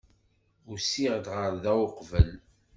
Usiɣ-d ɣer da uqbel.